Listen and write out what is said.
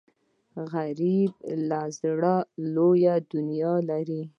غریب له زړه لوی دنیا لري